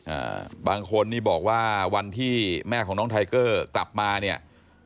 อ่าบางคนนี่บอกว่าวันที่แม่ของน้องไทเกอร์กลับมาเนี่ย